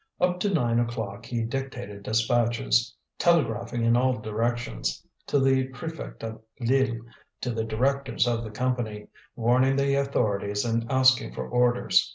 Up to nine o'clock he dictated dispatches, telegraphing in all directions, to the prefect of Lille, to the directors of the Company, warning the authorities and asking for orders.